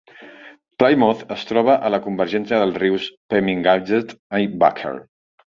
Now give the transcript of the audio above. Plymouth es troba a la convergència dels rius Pemigewasset i Baker.